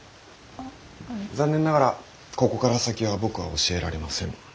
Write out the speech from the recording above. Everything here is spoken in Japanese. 残念ながらここから先は僕は教えられません。